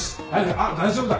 あっ大丈夫だ。